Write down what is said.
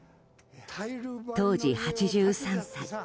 当時８３歳。